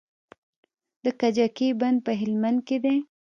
د کجکي بند په هلمند کې دی